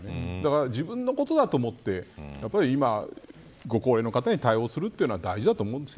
自分のことだと思って今、ご高齢な方に対応するのは大事だと思います。